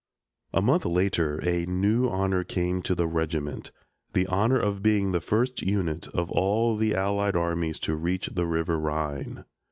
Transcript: A month later a new honor came to the regiment the honor of being the first unit of all the Allied armies to reach the River Rhine.